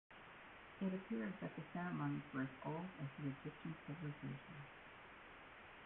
It appears that the ceremonies were as old as the Egyptian civilization.